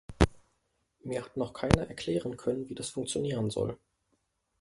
Mir hat noch keiner erklären können, wie das funktionieren soll.